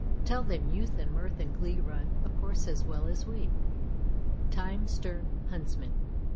Tell them youth and mirth and glee Run a course as well as we; Time, stern huntsman!